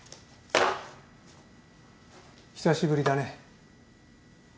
久しぶりだね。